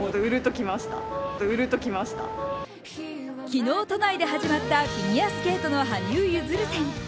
昨日、都内で始まったフィギュアスケートの羽生結弦展。